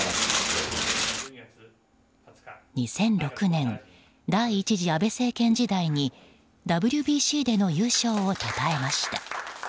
２００６年第１次安倍政権時代にＷＢＣでの優勝をたたえました。